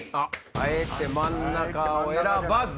あえて真ん中を選ばず。